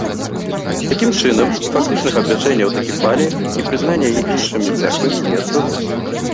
Такім чынам, ні фактычнага абвяшчэння аўтакефаліі, ні прызнання яе іншымі цэрквамі не адбылося.